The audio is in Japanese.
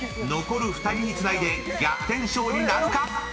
［残る２人につないで逆転勝利なるか？］